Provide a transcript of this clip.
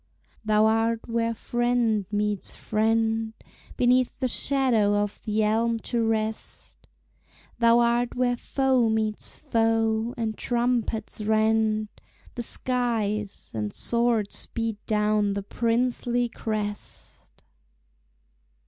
Thou art where friend meets friend, Beneath the shadow of the elm to rest Thou art where foe meets foe, and trumpets rend The skies, and swords beat down the princely crest.